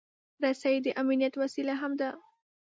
رسۍ د امنیت وسیله هم ده.